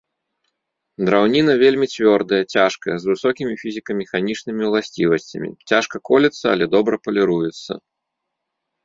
Драўніна вельмі цвёрдая, цяжкая, з высокімі фізіка-механічнымі ўласцівасцямі, цяжка колецца, але добра паліруецца.